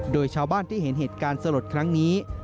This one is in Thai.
โดยชาวบ้านที่เห็นเหตุการณ์สลดครั้งนี้